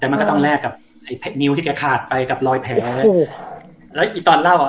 แต่มันก็ต้องแลกกับไอ้นิ้วที่แกขาดไปกับรอยแผลถูกแล้วอีตอนเล่าอ่ะ